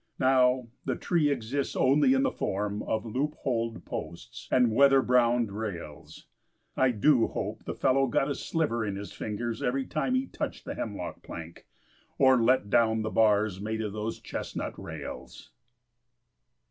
Now, the tree exists only in the form of loop holed posts and weather browned rails. I do hope the fellow got a sliver in his fingers every time he touched the hemlock plank, or let down the bars made of those chestnut rails!